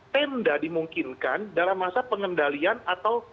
tenda dimungkinkan dalam masa pengendalian atau